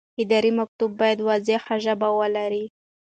اداري مکتوب باید واضح ژبه ولري.